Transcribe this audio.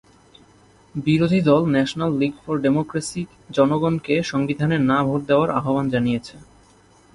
বিরোধী দল National League for Democracy জনগণকে সংবিধানে "না" ভোট দেওয়ার আহ্বান জানিয়েছে।